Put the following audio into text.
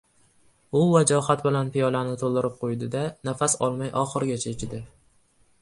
U vajohat bilan piyolani to'ldirib quydi-da, nafas olmay oxirigacha ichdi.